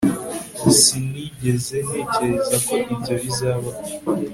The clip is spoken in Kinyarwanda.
sinigeze ntekereza ko ibyo bizabaho